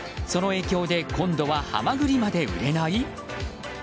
その影響で今度はハマグリまで売れない？